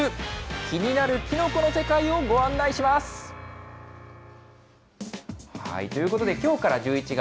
気になるキノコの世界をご案内します。ということで、きょうから１１月。